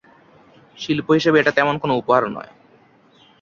শিল্প হিসেবে এটা তেমন কোন উপহার নয়।